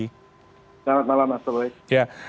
selamat malam master boy